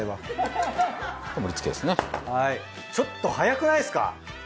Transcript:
ちょっと早くないですか？